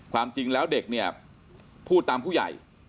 ความจริงแล้วเด็กเนี่ยพูดตามผู้ใหญ่